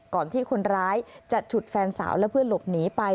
ก่อนที่คนร้ายจะฉุดแฟนสาวและเพื่อนหลบหนีไป